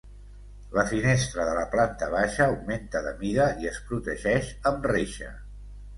La finestra de la planta baixa augmenta de mida i es protegeix amb reixa.